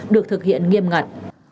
được thực hiện nghiêm ngặt